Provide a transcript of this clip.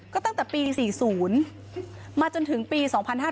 ก็ตั้งแต่ปี๔๐มาจนถึงปี๒๕๕๙